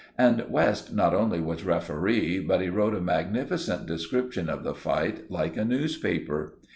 And West not only was referee, but he wrote a magnificent description of the fight, like a newspaper.